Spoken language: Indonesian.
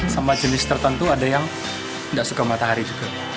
sama jenis tertentu ada yang tidak suka matahari juga